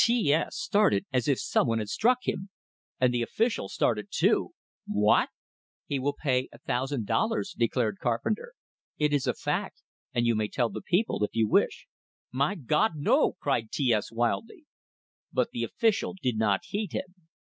T S started as if some one had struck him; and the official started too. "WHAT?" "He will pay a thousand dollars," declared Carpenter. "It is a fact, and you may tell the people, if you wish." "My Gawd, no!" cried T S wildly. But the official did not heed him.